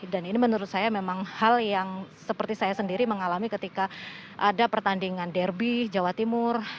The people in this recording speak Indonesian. dan ini menurut saya memang hal yang seperti saya sendiri mengalami ketika ada pertandingan derby jawa timur